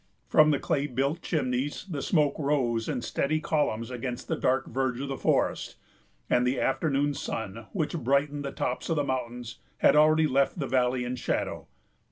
From the clay built chimneys the smoke rose in steady columns against the dark verge of the forest; and the afternoon sun, which brightened the tops of the mountains, had already left the valley in shadow.